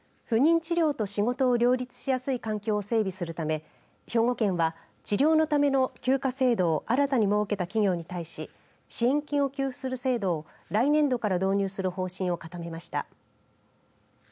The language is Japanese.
不妊治療と仕事を両立しやすい環境を整備するため兵庫県は治療のための休暇制度を新たに設けた企業に対し支援金を給付する制度を来年度から導入する方針を固めました。